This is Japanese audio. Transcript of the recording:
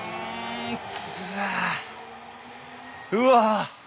うわ！